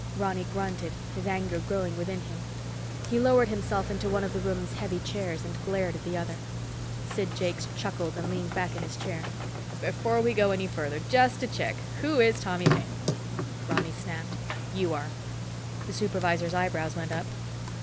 Ronny grunted, his anger growing within him. He lowered himself into one of the room's heavy chairs, and glared at the other. Sid Jakes chuckled and leaned back in his chair. "Before we go any further, just to check, who is Tommy Paine?" Ronny snapped, "You are." The supervisor's eyebrows went up.